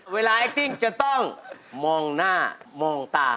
ไอ้ติ้งจะต้องมองหน้ามองตา